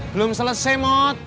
belum selesai mot